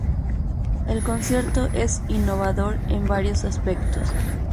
El concierto es innovador en varios aspectos.